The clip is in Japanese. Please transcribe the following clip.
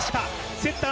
セッター。